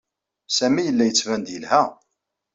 Sami yella yettban-d yelha.